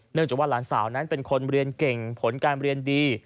จากว่าหลานสาวนั้นเป็นคนเรียนเก่งผลการเรียนดี